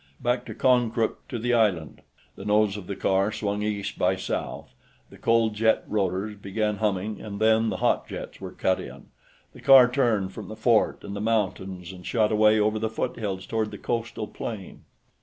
"Back to Konkrook, to the island." The nose of the car swung east by south; the cold jet rotors began humming and then the hot jets were cut in. The car turned from the fort and the mountains and shot away over the foothills toward the coastal plain.